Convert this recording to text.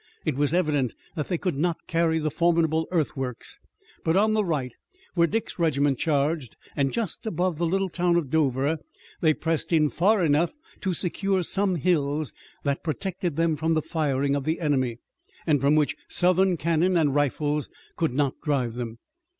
It was evident that they could not carry the formidable earthworks, but on the right, where Dick's regiment charged, and just above the little town of Dover, they pressed in far enough to secure some hills that protected them from the fire of the enemy, and from which Southern cannon and rifles could not drive them.